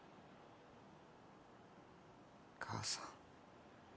母さん。